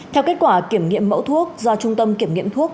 theo kết quả kiểm nghiệm mẫu thuốc do trung tâm kiểm nghiệm thuốc